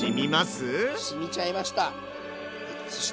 しみちゃいました！